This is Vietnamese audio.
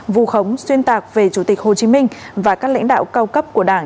vù khống xuyên tạc về chủ tịch hồ chí minh và các lãnh đạo cao cấp của đảng